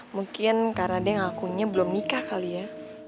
mungkin karena dia yang ngakunya belum nikah kali ya